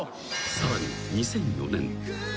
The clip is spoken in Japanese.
［さらに２００４年］